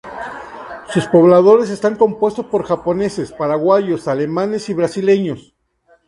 Sus pobladores están compuestos por japoneses, paraguayos, alemanes y brasileños.